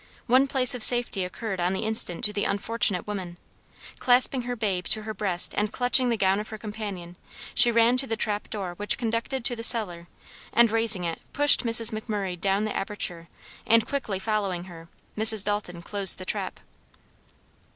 One place of safety occurred on the instant to the unfortunate woman; clasping her babe to her breast and clutching the gown of her companion, she ran to the trap door which conducted to the cellar and raising it pushed Mrs. McMurray down the aperture and quickly following her, Mrs. Dalton closed the trap.